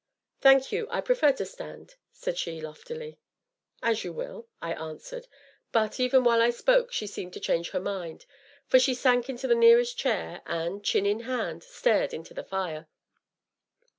"Thank you, I prefer to stand," said she loftily. "As you will," I answered, but, even while I spoke, she seemed to change her mind, for she sank into the nearest chair, and, chin in hand, stared into the fire.